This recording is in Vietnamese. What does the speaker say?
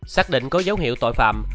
xác định có dấu hiệu tội phạm